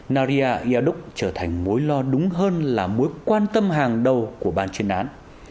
nari yaduk trở thành mối lo đúng hơn là mối quan tâm hàng đầu của ban chuyên án